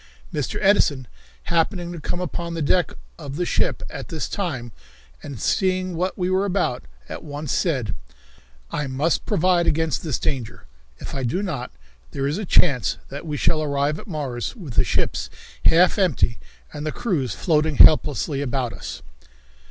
Mr. Edison, happening to come upon the deck of the ship at this time, and seeing what we were about, at once said: "I must provide against this danger. If I do not, there is a chance that we shall arrive at Mars with the ships half empty and the crews floating helplessly around us."